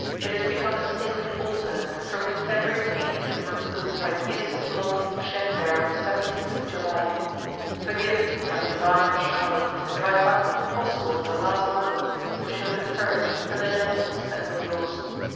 It has become a sacred altar, from which every taint has been removed by the innocent blood shed there on the 17th of July. Forgive me, my divine Charlotte, if I find it impossible at the last moment to show the courage and the gentleness that were yours!